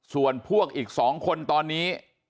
ส่วนพวกอีก๒คนตอนนี้